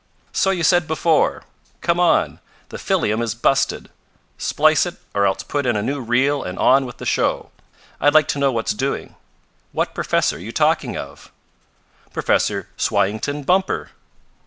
"So you said before. Come on the 'fillium' is busted. Splice it, or else put in a new reel and on with the show. I'd like to know what's doing. What professor are you talking of?" "Professor Swyington Bumper."